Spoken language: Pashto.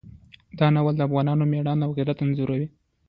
دا ناول د افغانانو مېړانه او غیرت انځوروي.